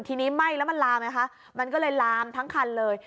ทีนี้ไหม้แล้วมันลามไหมคะมันก็เลยลามทั้งคันเลย